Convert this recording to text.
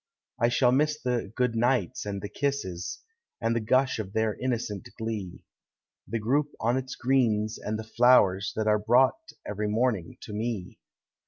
I shall miss the " good nights " and the kisses, And the gush of their innocent glee, The group on its green, and the flowers That are brought every morning to me.